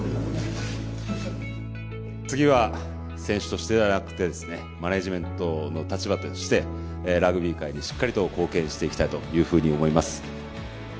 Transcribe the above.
次は選手としてではなくてですねマネージメントの立場としてラグビー界にしっかりと貢献していきたいというふうに思います。